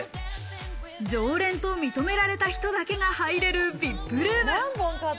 常連と認められた人だけが入れるＶＩＰルーム。